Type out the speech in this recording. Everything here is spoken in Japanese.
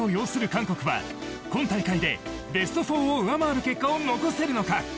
韓国は今大会でベスト４を上回る結果を残せるのか。